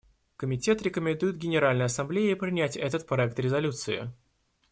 Комитет рекомендует Генеральной Ассамблее принять этот проект резолюции.